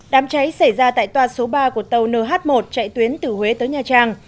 đám cháy xảy ra tại toa số ba của tàu nh một chạy tuyến từ huế tới nha trang